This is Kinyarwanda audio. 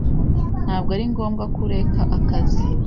Ntabwo ari ngombwa ko ureka akazi.